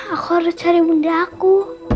aku harus cari bunda aku